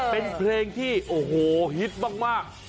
เป็นเพลงที่โอ้โหฮิตมาก